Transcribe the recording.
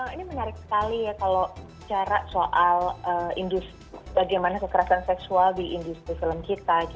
ini menarik sekali ya kalau bicara soal bagaimana kekerasan seksual di industri film kita